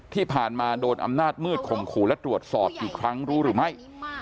ที่ผ่านมาโดนอำนาจมืดข่มขู่และตรวจสอบกี่ครั้งรู้หรือไม่